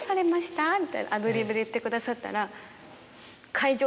みたいなアドリブで言ってくださったら。